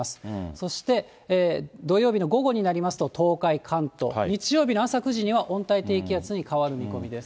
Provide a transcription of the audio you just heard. そして土曜日の午後になりますと、東海、関東、日曜日の朝９時には温帯低気圧に変わる見込みです。